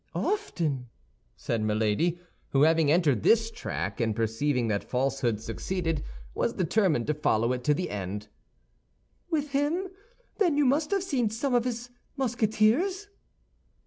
"Often!" said Milady, who, having entered this track, and perceiving that falsehood succeeded, was determined to follow it to the end. "With him, then, you must have seen some of his Musketeers?"